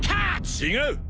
違う！